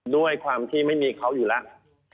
ด้วยความที่ไม่มีเขาอยู่แล้ว